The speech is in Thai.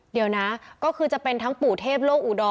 เดี๋ยวนะก็คือจะเป็นทั้งปู่เทพโลกอุดร